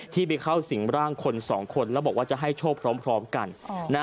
ที่ไปเข้าสิ่งร่างคนสองคนแล้วบอกว่าจะให้โชคพร้อมกัน